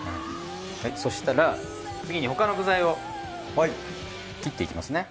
そうしたら次に他の具材を切っていきますね。